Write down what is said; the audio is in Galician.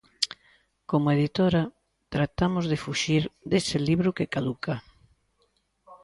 Como editora tratamos de fuxir dese libro que caduca.